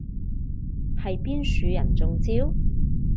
係邊樹人中招？